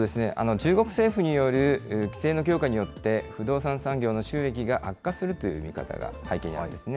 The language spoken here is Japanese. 中国政府による規制の強化によって、不動産産業の収益が悪化するという見方が背景にあるんですね。